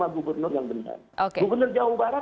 gubernur jawa barat